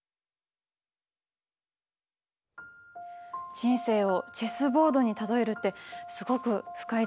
人生をチェスボードに例えるってすごく深いですよね。